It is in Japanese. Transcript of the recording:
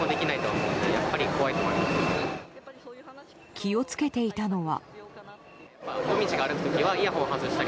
気を付けていたのは。